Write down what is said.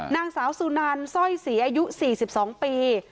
นางสาวสุนันสร้อยศรีอายุ๔๒ปี